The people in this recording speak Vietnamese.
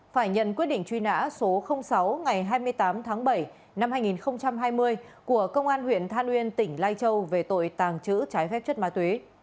phải nhận quyết định truy nã số sáu ngày hai mươi tám tháng bảy năm hai nghìn hai mươi của công an huyện than uyên tỉnh lai châu về tội tàng trữ trái phép chất ma túy